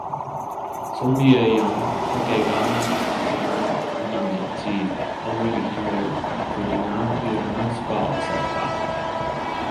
선비의 양 어깨가 빠지는 듯만 했지 아무리 힘을 들이나 일어날 수가 없었다.